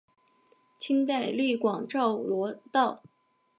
清代隶广肇罗道。